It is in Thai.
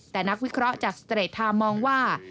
แต่นักวิเคราะห์จากสเตรดไทม์มองว่า